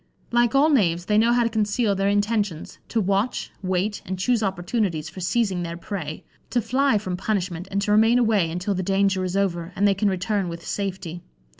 Like all knaves, they know how to conceal their intentions, to watch, wait, and choose opportunities for seizing their prey; to fly from punishment, and to remain away until the danger is over, and they can return with safety.